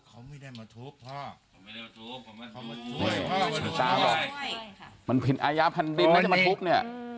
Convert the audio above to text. มันผิดอายะพันธุ์บินไม่ใช่มันทุบเนี่ย